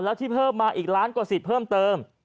แล้วที่เพิ่มมาอีกล้านกว่าสิทธิ์เพิ่มเติม